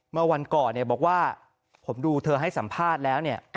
เมื่อวันก่อนบอกว่าผมดูเธอให้สัมภาษณ์แล้วเนี่ย